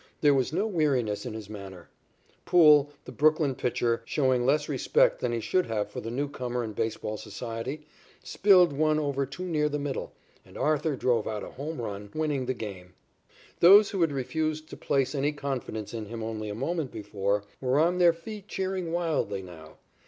There was no weariness in his manner. Poole, the Brooklyn pitcher, showing less respect than he should have for the newcomer in baseball society, spilled one over too near the middle, and Arthur drove out a home run, winning the game. Those who had refused to place any confidence in him only a moment before, were on their feet cheering wildly now.